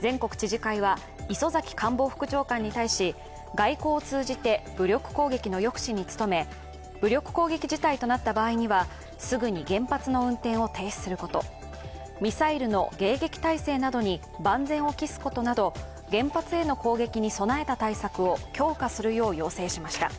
全国知事会は磯崎官房副長官に対し外交を通じて武力攻撃の抑止に努め、武力攻撃事態となった場合にはすぐに原発の運転を停止することミサイルの迎撃態勢などに万全を期すことなど原発への攻撃に備えた対策を強化するよう要請しました。